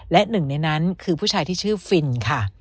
และหนึ่งในนั้นคือผู้ชายที่ชื่อฟินค่ะ